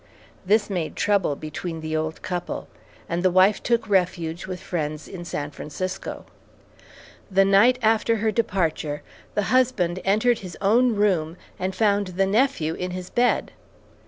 This made trouble between the old couple, and the wife took refuge with friends in San Francisco. The night after her departure, the husband entered his own room and found the nephew in his bed.